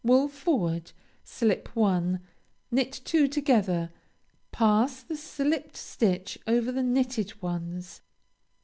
Wool forward. Slip one. Knit two together. Pass the slipped stitch over the knitted ones.